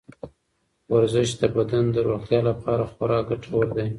ورزش د بدن د روغتیا لپاره خورا ګټور دی.